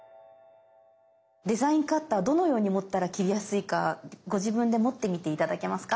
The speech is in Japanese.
どのように持ったら切りやすいかご自分で持ってみて頂けますか。